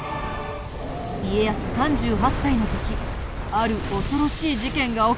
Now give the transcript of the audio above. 家康３８歳の時ある恐ろしい事件が起きたんだ。